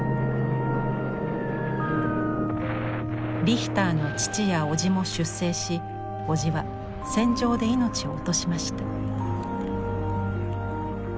リヒターの父や叔父も出征し叔父は戦場で命を落としました。